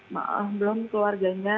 maaf belum keluarganya